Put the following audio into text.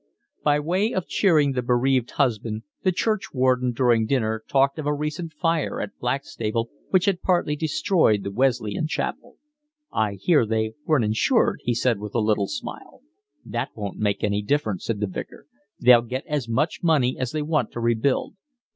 By way of cheering the bereaved husband the churchwarden during dinner talked of a recent fire at Blackstable which had partly destroyed the Wesleyan chapel. "I hear they weren't insured," he said, with a little smile. "That won't make any difference," said the Vicar. "They'll get as much money as they want to rebuild.